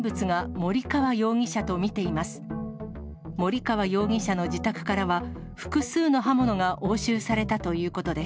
森川容疑者の自宅からは、複数の刃物が押収されたということです。